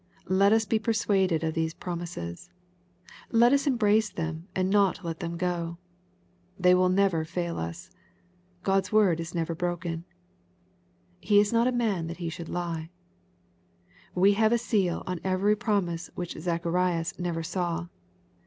Let us be per suaded of these promises. Let us embrace them and not let them go. They will never fail us. God's word is never broken. He is not a man that He should lie. Wo have a seal on every promise which Zacharias never saw.